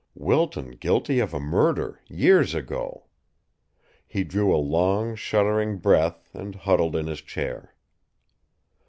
Wilton guilty of a murder, years ago! He drew a long, shuddering breath and huddled in his chair.